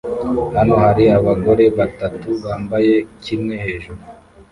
Hano hari abagore batatu bambaye kimwe hejuru